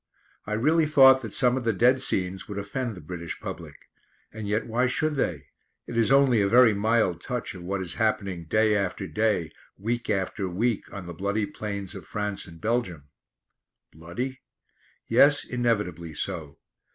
I really thought that some of the dead scenes would offend the British public. And yet why should they? It is only a very mild touch of what is happening day after day, week after week, on the bloody plains of France and Belgium. Bloody? Yes, inevitably so.